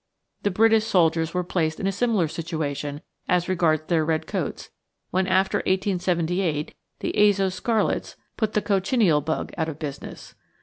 The British soldiers were placed in a similar situa tion as regards their red coats, when after 1878 the azo scarlets put the cochineal bug out of business."